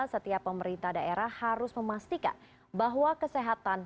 setiap pemerintah daerah harus memastikan bahwa kesehatan